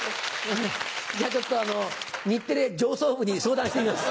じゃちょっと日テレ上層部に相談してみます。